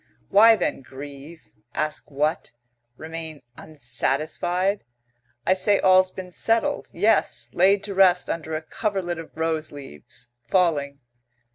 Why then grieve? Ask what? Remain unsatisfied? I say all's been settled; yes; laid to rest under a coverlet of rose leaves, falling.